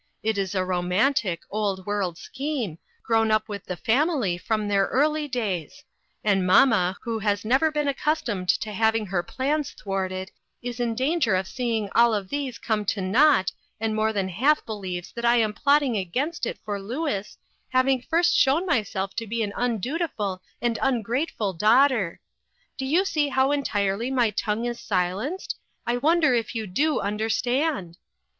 It is a romantic, Old World scheme, grown up with the fam ilies from their early days ; and mamma, who has never been accustomed to having her plans thwarted, is in danger of seeing all of these come to naught, and more than half believes that I am plotting against it for Louis, having first shown myself to be an undutiful and ungrateful daughter. Do you see how entirely my tongue is silenced? I wonder if you do understand